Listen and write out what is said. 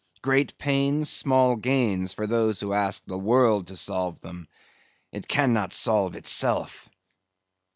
Great pains, small gains for those who ask the world to solve them; it cannot solve itself.